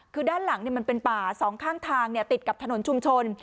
คือด้านหลังมันเป็นป่าสองข้างทางติดกับถนนชุมชน